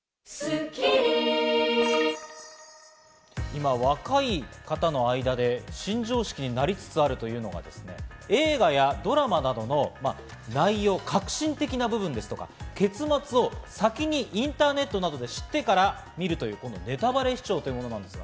今、若い方の間で新常識になりつつあるというのが映画やドラマなどの内容を核心的な部分とか結末を先にインターネットなどで知ってから見るというネタバレ視聴というものです。